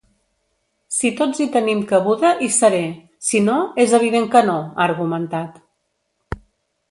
Si tots hi tenim cabuda, hi seré, sinó és evident que no, ha argumentat.